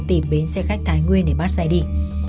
tìm bến xe khách thái nguyên để bắt xe đi